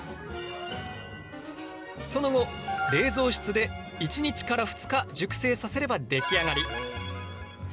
その後冷蔵室で１日から２日熟成させれば出来上がり！